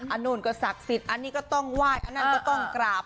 นู่นก็ศักดิ์สิทธิ์อันนี้ก็ต้องไหว้อันนั้นก็ต้องกราบ